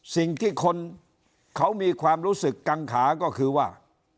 สิ่งที่คนเขามีความรู้สึกกังขาก็คือว่า